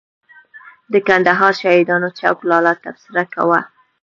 د کندهار شهیدانو چوک لالا تبصره کوي.